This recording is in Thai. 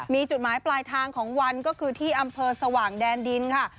มีจุดหมายปลายทางของวันก็คือที่อำเภอสว่างแดนดินค่ะ